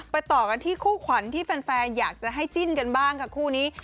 ต่อกันที่คู่ขวัญที่แฟนอยากจะให้จิ้นกันบ้างค่ะคู่นี้